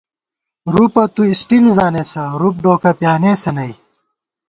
رُوپہ تُو اسٹیل زانېسہ ، رُوپ ڈوکہ پیانېسہ نئ